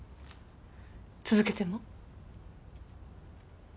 続けても？